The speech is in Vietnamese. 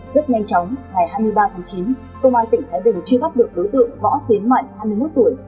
rất nhanh chóng ngày hai mươi ba tháng chín công an tỉnh thái bình truy bắt được đối tượng võ tiến mạnh hai mươi một tuổi